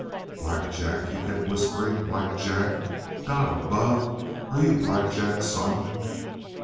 "Black Jack," he kept whispering. "Black Jack! God above, are you Black Jack's son?"